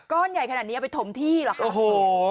ก้อนใหญ่ขนาดนี้เอาไปถมที่หรอครับโอ้โห